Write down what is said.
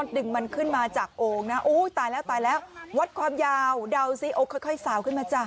ดึงออกมาแล้วถึงสี่ไหมปุ้ย